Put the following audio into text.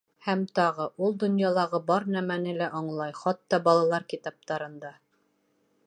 Һәм тағы: ул донъялағы бар нәмәне лә аңлай, хатта балалар китаптарын да.